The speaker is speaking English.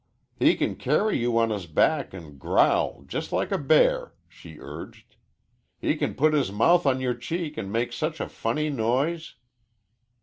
"He can carry you on his back and growl jes' like a bear," she urged. "He can put his mouth on your cheek and make such a funny noise."